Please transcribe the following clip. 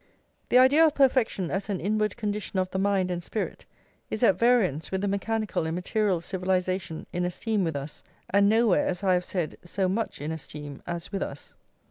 The idea of perfection as an inward condition of the mind and spirit is at variance with the mechanical and material civilisation in esteem with us, and nowhere, as I have said, so much in esteem as with us.